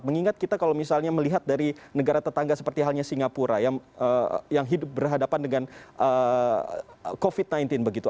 mengingat kita kalau misalnya melihat dari negara tetangga seperti halnya singapura yang hidup berhadapan dengan covid sembilan belas begitu